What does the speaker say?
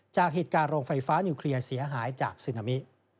จากเหตุการณ์โรงไฟฟ้านิวเคลียร์เสียหายจากซึนามิ